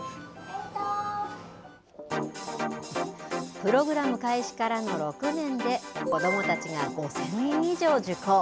プログラム開始からの６年で、子どもたちが５０００人以上受講。